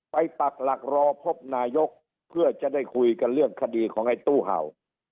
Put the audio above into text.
ปักหลักรอพบนายกเพื่อจะได้คุยกันเรื่องคดีของไอ้ตู้เห่า